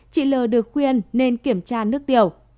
chị l được khuyên nên kiểm tra nước tiểu